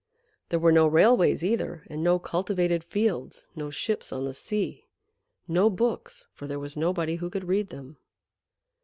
There were no railways either, and no cultivated fields, no ships on the sea, no books, for there was nobody who could read them.